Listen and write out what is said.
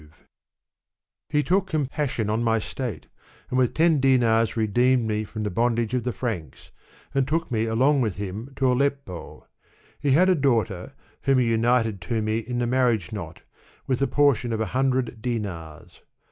Digitized by Google He took compassion on my state, and with ten dinars redeemed me from the bondage of the Franks, and took me along with him to Aleppo. He had a daugh ter, whom he united to me in the marriage knot, with a portion of a hundred dinars.